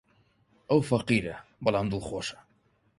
ئەو فەقیرە، بەڵام دڵخۆشە.